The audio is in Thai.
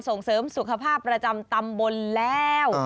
ส่งเสริมสุขภาพประจำตำบลแล้ว